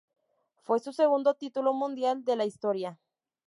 Fue su segundo título mundial de la historia.